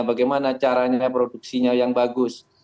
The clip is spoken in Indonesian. bagaimana caranya produksinya yang bagus